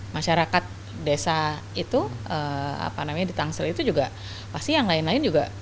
masyarakat desa itu apa namanya di tangsel itu juga pasti yang lain lain juga